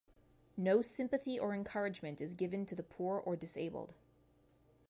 No sympathy or encouragement is given to the poor or disabled.